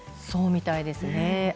そうみたいですね。